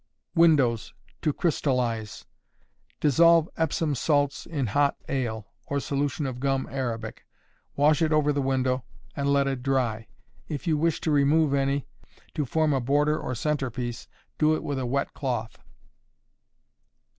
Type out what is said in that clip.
Windows, to Crystallize. Dissolve epsom salts in hot ale, or solution of gum arabic, wash it over the window, and let it dry. If you wish to remove any, to form a border or centre piece, do it with a wet cloth.